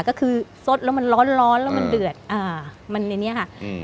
ก็คือสดแล้วมันร้อนร้อนแล้วมันเดือดอ่ามันในนี้ค่ะอืม